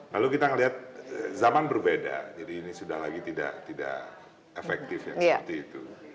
lalu kita melihat zaman berbeda jadi ini sudah lagi tidak efektif yang seperti itu